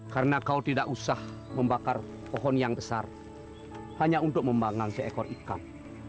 karena kau tidak usah membakar pohon yang besar hanya untuk membangang seekor ikan